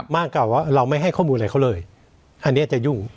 มากกว่าว่าเราไม่ให้ข้อมูลอะไรเขาเลยอันนี้จะยุ่ง